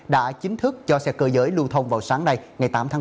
đã chính thức cho xe cơ giới lưu thông vào sáng nay ngày tám tháng năm